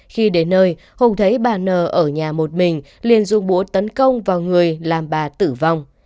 khi đến nơi hùng thấy bà nờ ở nhà một mình liền dùng búa tấn công vào người làm bà tử vong